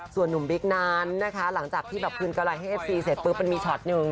ส่วนหนุ่มบิ๊กนั้นนะคะหลังจากที่แบบคืนกำไรให้เอฟซีเสร็จปุ๊บมันมีช็อตหนึ่ง